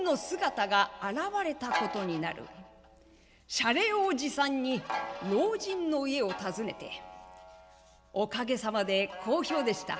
謝礼を持参に老人の家を訪ねて「おかげさまで好評でした。